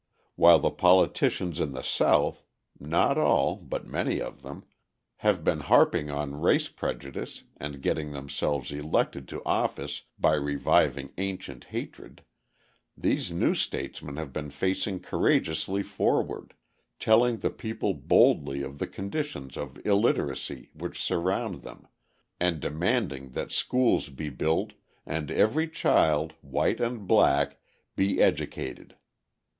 While the politicians in the South (not all, but many of them) have been harping on race prejudice and getting themselves elected to office by reviving ancient hatred, these new statesmen have been facing courageously forward, telling the people boldly of the conditions of illiteracy which surround them, and demanding that schools be built and every child, white and black, be educated.